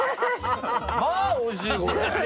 まあおいしいこれ。